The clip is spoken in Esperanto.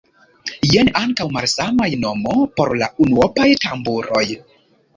Jen ankaŭ malsamaj nomo por la unuopaj tamburoj.